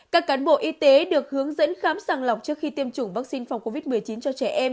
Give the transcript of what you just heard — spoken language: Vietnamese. các cán bộ y tế được hướng dẫn khám sàng lọc trước khi tiêm chủng vaccine phòng covid một mươi chín cho trẻ em